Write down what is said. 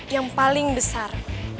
yang paling besar